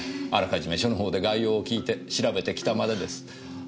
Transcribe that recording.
あらかじめ署のほうで概要を聞いて調べてきたまでです。